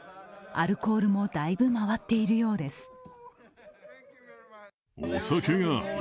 アルコールもだいぶ回っているようです。